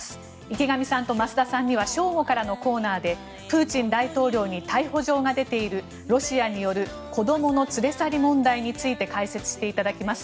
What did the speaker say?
池上さんと増田さんには正午からのコーナーでプーチン大統領に逮捕状が出ているロシアによる子どもの連れ去り問題について解説していただきます。